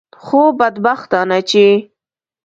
خو بدبختانه چې.